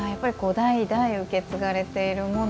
代々受け継がれているもの。